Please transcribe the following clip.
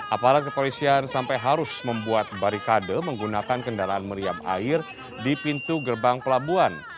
aparat kepolisian sampai harus membuat barikade menggunakan kendaraan meriam air di pintu gerbang pelabuhan